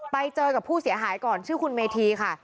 ไปเจอกับผู้เสียหายก่อนชื่อคุณเมธีค่ะ